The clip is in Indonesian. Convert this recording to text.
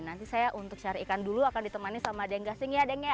nanti saya untuk cari ikan dulu akan ditemani sama deng gasing ya deng ya